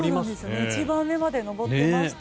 一番上まで登ってました。